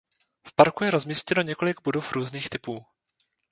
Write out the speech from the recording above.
V parku je rozmístěno několik budov různých typů.